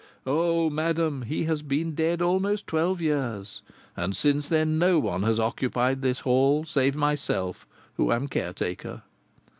"Oh, madam, he has been dead almost twelve years, and since then no one has occupied this Hall save myself, who am caretaker.